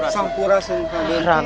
sampai balatak ini